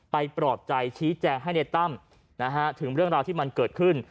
ปลอบใจชี้แจงให้ในตั้มถึงเรื่องราวที่มันเกิดขึ้น